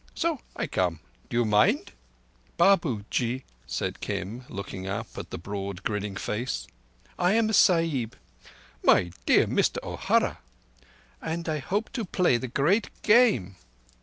So I come. Do you mind?" "Babuji," said Kim, looking up at the broad, grinning face, "I am a Sahib." "My dear Mister O'Hara—" "And I hope to play the Great Game."